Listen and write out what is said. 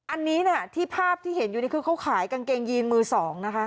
อันนี้เนี่ยที่ภาพที่เห็นอยู่นี่คือเขาขายกางเกงยีนมือสองนะคะ